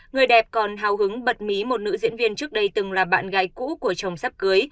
người đẹp còn hào hứng bật mí một nữ diễn viên trước đây từng là bạn gái cũ của chồng sắp cưới